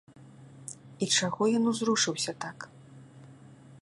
І чаго ён узрушыўся так?